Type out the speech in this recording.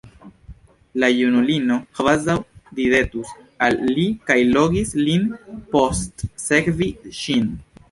La junulino kvazaŭ ridetus al li kaj logis lin postsekvi ŝin.